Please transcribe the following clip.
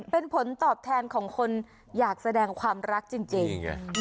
เป็นผลตอบแทนของคนอยากแสดงความรักจริง